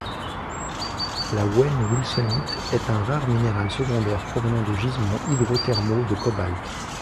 La wendwilsonite est un rare minéral secondaire provenant de gisements hydrothermaux de cobalt.